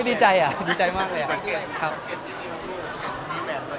ดีใจอ่ะดีใจมากเลยอ่ะ